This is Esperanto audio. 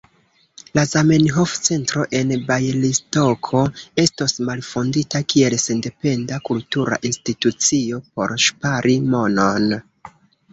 La Zamenhof-centro en Bjalistoko estos malfondita kiel sendependa kultura institucio por ŝpari monon.